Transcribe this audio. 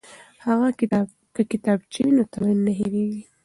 که کتابچه وي نو تمرین نه هیریږي.